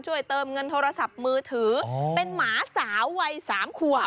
เติมเงินโทรศัพท์มือถือเป็นหมาสาววัยสามขวบ